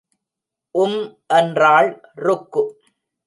உம் என்றாள் ருக்கு.